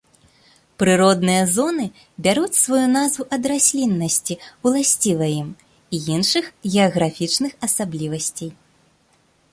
Прыродныя зоны бяруць сваю назву ад расліннасці, уласцівай ім, і іншых геаграфічных асаблівасцей.